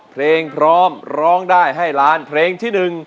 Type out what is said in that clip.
เพลงพร้อมร้องได้ให้ล้านเพลงที่๑